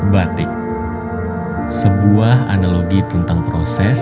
batik sebuah analogi tentang proses